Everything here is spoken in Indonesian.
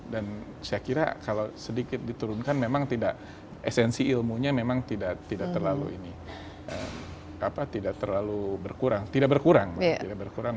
dan saya kira kalau sedikit diturunkan memang tidak esensi ilmunya memang tidak terlalu ini tidak terlalu berkurang tidak berkurang